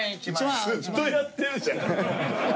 ずっとやってるじゃん。